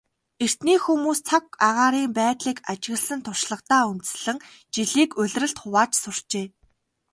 Эртний хүмүүс цаг агаарын байдлыг ажигласан туршлагадаа үндэслэн жилийг улиралд хувааж сурчээ.